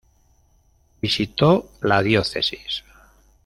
Visitó la diócesis.